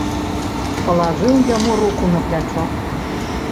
Палажыў яму руку на плячо.